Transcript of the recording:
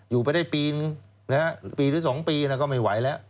อยู่ไปได้ปีนึงปีหรือ๒ปีก็ไม่ไหวแล้ว